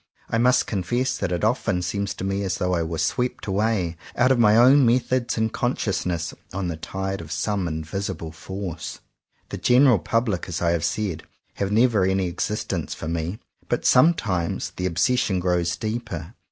I must confess that it often seems to me as though I were swept away, out of my own methods and consciousness, on the tide of some invisible force. The "general public," as I have said, have never any existence for me. But some times the obsession grows deeper.